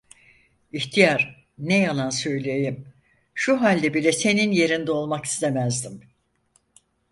İhtiyar, ne yalan söyleyeyim, şu halde bile senin yerinde olmak istemezdim.